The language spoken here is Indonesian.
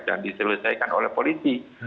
dan diselesaikan oleh polisi